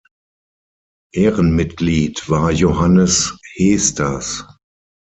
Ehrenmitglied war Johannes Heesters.